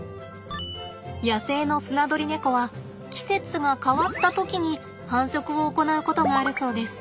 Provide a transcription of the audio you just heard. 野生のスナドリネコは季節が変わった時に繁殖を行うことがあるそうです。